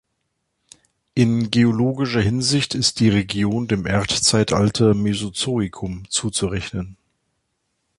In geologischer Hinsicht ist die Region dem Erdzeitalter Mesozoikum zuzurechnen.